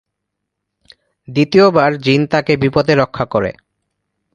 দ্বিতীয়বার জিন তাকে বিপদে রক্ষা করে।